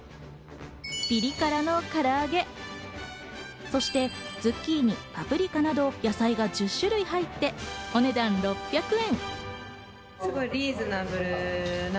ピリ辛のから揚げ、そしてズッキーニ、パプリカなど野菜が１０種類入ってお値段６００円。